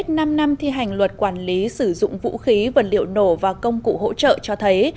kết năm năm thi hành luật quản lý sử dụng vũ khí vật liệu nổ và công cụ hỗ trợ cho thấy